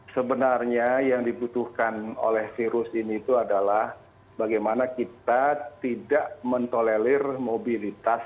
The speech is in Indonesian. sebenarnya yang dibutuhkan oleh virus ini itu adalah bagaimana kita tidak mentolelir mobilitas